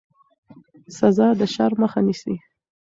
سزا د شر مخه نیسي